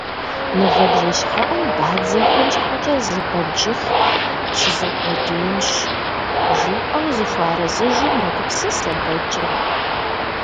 «Мывэ бжэщхьэӀум бадзэхэм щхьэкӀэ зы бэджыхъ щызукъуэдиинщ, - жиӀэу зыхуэарэзыжу мэгупсысэ бэджыр.